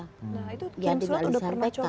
nah itu kirim surat sudah pernah coba